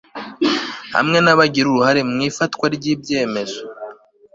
hamwe n'abagira uruhare mu ifatwa ry'ibyemezo